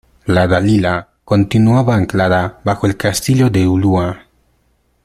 " la Dalila " continuaba anclada bajo el Castillo de Ulua,